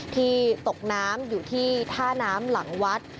ที่ตกน้ำอยู่ที่ท่าน้ำหลังวัด